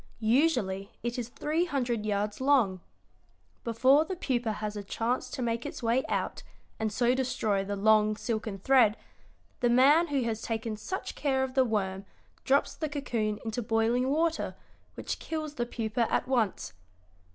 "Usually it is three hundred yards long. Before the pupa has a chance to make its way out, and so destroy the long, silken thread, the man who has taken such care of the worm drops the cocoon into boiling water, which kills the pupa at once.